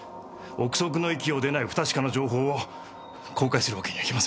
憶測の域を出ない不確かな情報を公開するわけにはいきません。